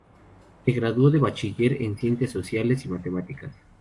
Se graduó de bachiller en ciencias sociales y matemáticas.